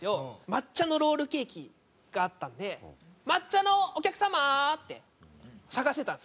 抹茶のロールケーキがあったんで「抹茶のお客様！」って探してたんですよ。